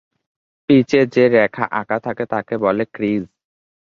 পিচে যে রেখা আঁকা থাকে তাকে বলে ক্রিজ।